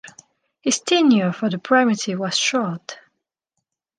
His tenure of the primacy was short.